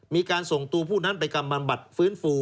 มีการส่งตัวผู้นั้นไปกำบำบัดฟื้นฟู